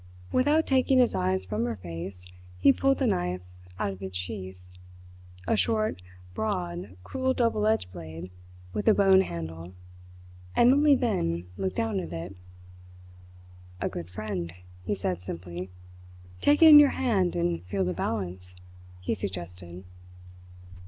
Without taking his eyes from her face, he pulled the knife out of its sheath a short, broad, cruel double edged blade with a bone handle and only then looked down at it. "A good friend," he said simply. "Take it in your hand and feel the balance," he suggested.